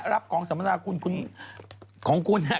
รับของสมรรถาของคุณของคุณค่ะ